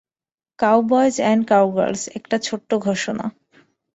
Cowboys and cowgirls, একটা ছোট্ট ঘোষণা।